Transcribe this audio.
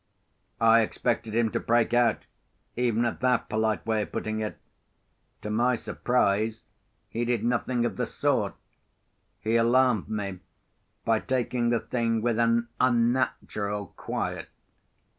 I expected him to break out, even at that polite way of putting it. To my surprise he did nothing of the sort; he alarmed me by taking the thing with an unnatural quiet.